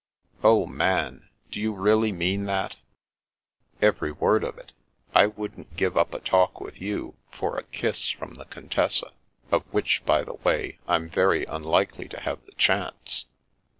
" Oh, Man, do you really mean that? "" Every word of it. I wouldn't give up a talk with you for a kiss from the Contessa, of which, by the way, I'm very unlikely to have the chance.